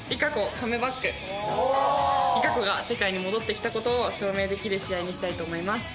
璃花子が世界に戻ってきた事を証明できる試合にしたいと思います。